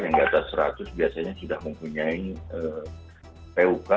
yang di atas seratus biasanya sudah mempunyai puk